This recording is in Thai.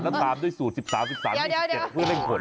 และตามด้วยสูตร๑๓๑๓๑๗เพื่อเล่งขน